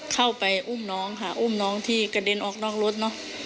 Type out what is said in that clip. เข้าไปอุ้มน้องค่ะอุ้มน้องที่กระเด็นออกนอกรถเนอะ